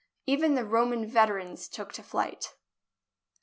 Even the Ro man veterans took to flight.